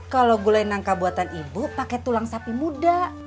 kalau gulai nangka buatan ibu pakai tulang sapi muda